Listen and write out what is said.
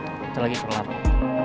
sebentar lagi perlahan